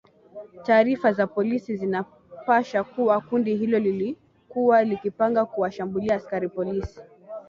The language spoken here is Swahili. taarifa za polisi zinapasha kuwa kundi hilo lilikuwa likipanga kuwashambulia askari polisi